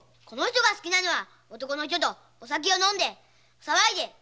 この人が好きなのは男の人と酒飲んで騒いで。